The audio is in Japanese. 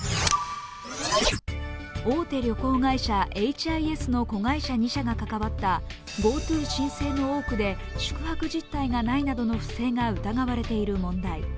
大手旅行会社エイチ・アイ・エスの子会社２社が関わったＧｏＴｏ申請の多くで宿泊実態がないなどの不正が疑われている問題。